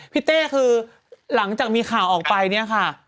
เต้คือหลังจากมีข่าวออกไปเนี่ยค่ะ